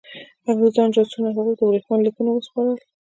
انګرېزانو جاسوسانو هغوی ته ورېښمین لیکونه وسپارل.